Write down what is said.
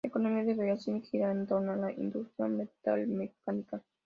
La economía de Beasáin gira en torno a la industria metalmecánica.